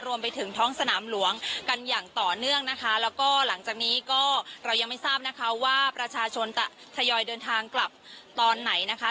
รวมไปถึงท้องสนามหลวงกันอย่างต่อเนื่องนะคะแล้วก็หลังจากนี้ก็เรายังไม่ทราบนะคะว่าประชาชนจะทยอยเดินทางกลับตอนไหนนะคะ